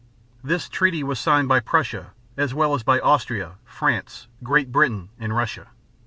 This treaty was signed by Prussia as well as by Austria, France, Great Britain, and Russia.